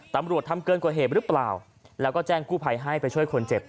ตำรวจทำเกินกว่าเหตุหรือเปล่าแล้วก็แจ้งกู้ภัยให้ไปช่วยคนเจ็บ